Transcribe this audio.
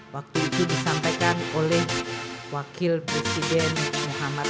waktu itu disampaikan oleh wakil presiden muhammad